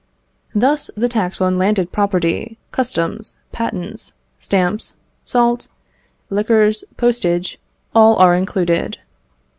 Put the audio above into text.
Thus, the tax on landed property, customs, patents, stamps, salt, liquors, postage, all are included.